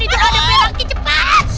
ya udah panggilan the first